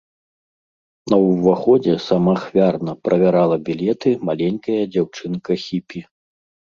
На ўваходзе самаахвярна правярала білеты маленькая дзяўчынка-хіпі.